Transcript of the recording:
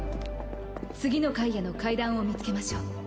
次の階への階段を見つけましょう。